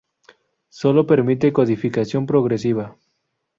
Sólo permite codificación progresiva.